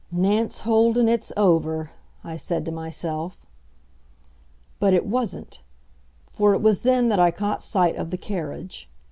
"Nance Olden, it's over," I said to myself. But it wasn't. For it was then that I caught sight of the carriage.